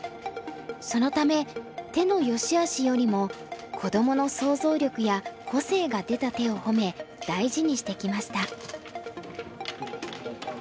そのため手の善しあしよりも子どもの想像力や個性が出た手を褒め大事にしてきました。